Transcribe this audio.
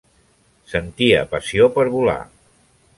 Sentia passió per volar.